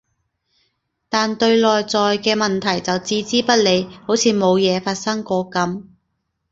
但對內在嘅問題就置之不理，好似冇嘢發生過噉